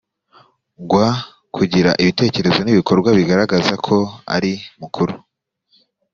ngwa kugira ibitekerezo n ibikorwa bigaragaza ko ari mukuru